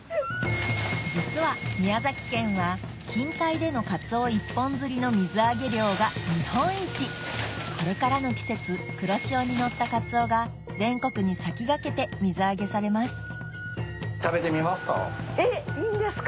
実は宮崎県は近海でのカツオ一本釣りの水揚げ量がこれからの季節黒潮に乗ったカツオが全国に先駆けて水揚げされます食べてみますか？